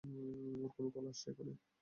ওর কোনো কল আসছে এখানে?